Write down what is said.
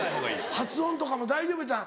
発音とかも大丈夫やったん？